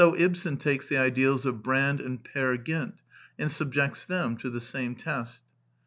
The Plays 6i ideals of Brand and Peer Gynt, and subjects them to the same test.